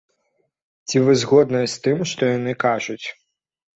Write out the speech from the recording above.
Ці вы згодныя з тым, што яны кажуць?